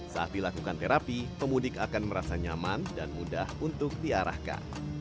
saat dilakukan terapi pemudik akan merasa nyaman dan mudah untuk diarahkan